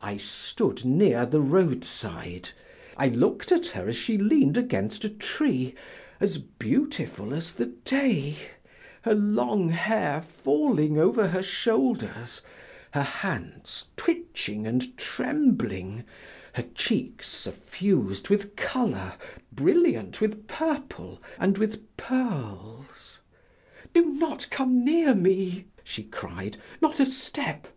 I stood near the roadside; I looked at her as she leaned against a tree, as beautiful as the day, her long hair falling over her shoulders, her hands twitching and trembling, her cheeks suffused with color, brilliant with purple and with pearls. "Do not come near me!" she cried, "not a step!"